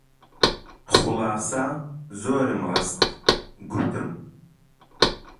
خولاسە زۆرم ڕست، گوتم: